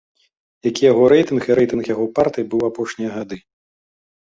Які яго рэйтынг і рэйтынг яго партыі быў у апошнія гады?